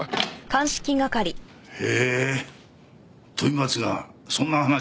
へえー飛松がそんな話を？